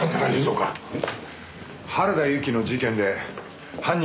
うん。